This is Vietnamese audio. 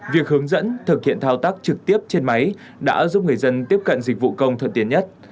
việc hướng dẫn thực hiện thao tác trực tiếp trên máy đã giúp người dân tiếp cận dịch vụ công thuận tiện nhất